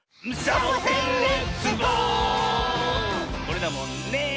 これだもんね。